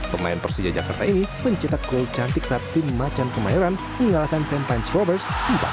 pemain persija jakarta ini mencetak gol cantik saat tim macan kemayoran mengalahkan pempen swabers empat puluh satu